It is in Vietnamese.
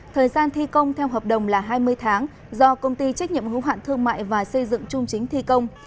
thời gian thi công theo hợp đồng là hai mươi tháng do công ty trách nhiệm hữu hạn thương mại và xây dựng trung chính thi công